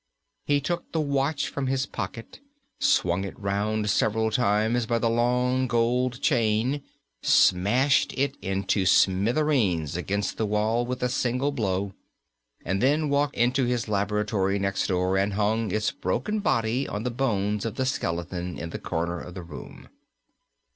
He took the watch from his pocket, swung it round several times by the long gold chain, smashed it into smithereens against the wall with a single blow, and then walked into his laboratory next door, and hung its broken body on the bones of the skeleton in the corner of the room.